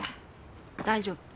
大丈夫。